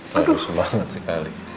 lagus banget sekali